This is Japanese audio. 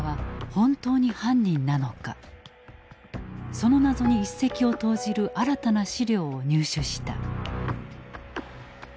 その謎に一石を投じる新たな資料を入手した。